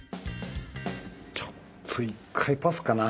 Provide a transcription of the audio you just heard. ちょっと１回パスかな。